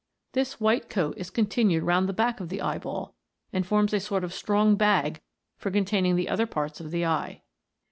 This white coat is continued round the back of the eyeball, and forms a sort of strong bag for containing the other parts of the eye.